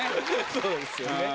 そうですよね。